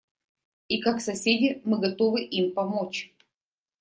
И как соседи мы готовы им помочь.